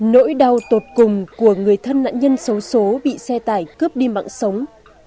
nỗi đau tột cùng của người thân nạn nhân xấu xố bị xe tải cướp đi mạng sống